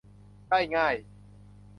ได้ง่าย